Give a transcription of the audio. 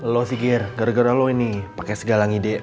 lo sih gir gara gara lo ini pakai segala ide